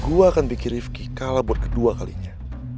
gue akan bikin rifki kalah buat kedua kalinya